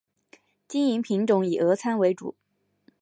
经营品种以俄餐为主。